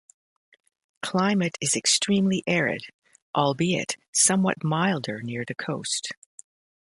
Climate is extremely arid albeit somewhat milder near the coast.